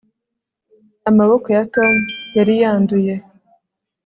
amaboko ya tom yari yanduye